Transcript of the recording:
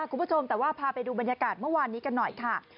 คุณผู้ชมแต่ว่าพาไปดูบรรยากาศเมื่อวานนี้กันหน่อยค่ะ